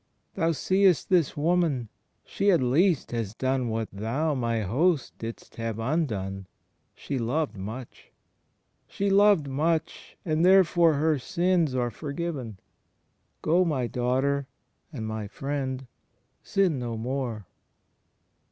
''Thou seest this woman ... She at least has done what thou, my host, didst leave undone ... She loved much. She loved much ... And therefore her sins are forgiven. Go, my daughter, and my friend. Sin no more."